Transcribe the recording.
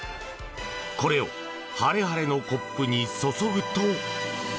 これをハレハレのコップに注ぐと。